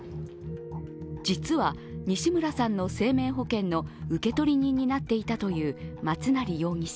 実は西村さんの生命保険の受取人になっていたという松成容疑者。